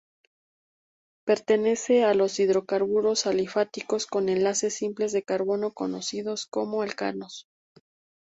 Pertenece a los hidrocarburos alifáticos con enlaces simples de carbono, conocidos como Alcanos.